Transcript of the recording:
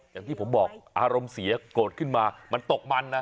อย่างที่ผมบอกอารมณ์เสียโกรธขึ้นมามันตกมันนะ